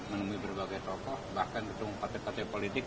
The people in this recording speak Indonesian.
menemui berbagai tokoh bahkan ketemu partai partai politik